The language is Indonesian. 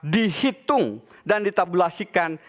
dihitung dan ditabulasikan